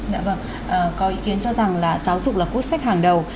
dạ vâng có ý kiến cho rằng là giáo dục là quốc sách hàng đầu